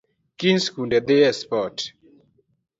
Kiny sikunde dhi e sipot